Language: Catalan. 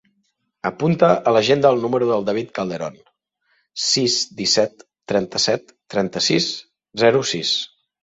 Apunta a l'agenda el número del David Calderon: sis, disset, trenta-set, trenta-sis, zero, sis.